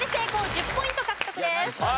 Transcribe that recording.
１０ポイント獲得です。